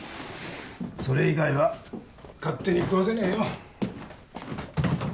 それ以外は勝手に喰わせねえよ